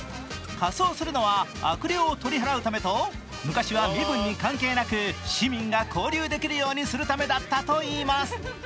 仮装するのは悪霊を取り払うためと、昔は身分に関係なく市民が交流できるようにするためだったといいます。